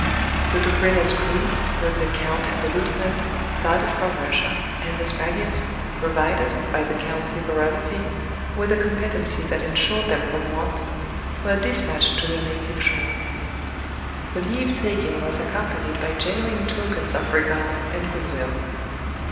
The Dobryna's crew, with the count and the lieutenant, started for Russia, and the Spaniards, provided, by the count's liberality, with a competency that ensured them from want, were despatched to their native shores. The leave taking was accompanied by genuine tokens of regard and goodwill.